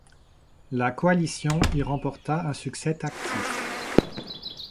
La coalition y remporta un succès tactique.